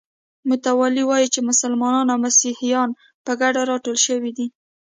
متوالي وایي چې مسلمانان او مسیحیان په ګډه راټول شوي دي.